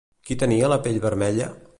Qui tenia la pell vermella?